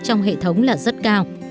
trong hệ thống là rất cao